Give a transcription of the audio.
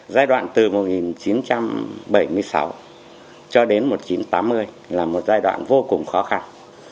giai đoạn từ một nghìn chín trăm bảy mươi sáu cho đến một nghìn chín trăm tám mươi là một giai đoạn vô cùng khó khăn